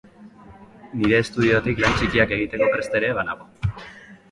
Nire estudiotik lan txikiak egiteko prest ere banago.